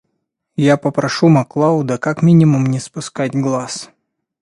Я попрошу Маклауда как минимум не спускать глаз.